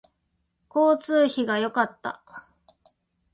交通費が良かった